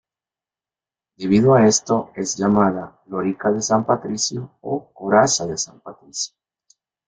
Debido a esto es llamada "Lorica de San Patricio" o "Coraza de San Patricio".